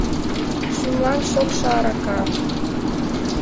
Шӱмлан шокшо арака.